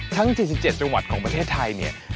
ทั้ง๗๗จังหวัดของประเทศไทยเนี่ย